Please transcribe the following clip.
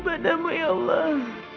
badanmu ya allah